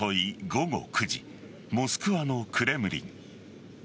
午後９時モスクワのクレムリン。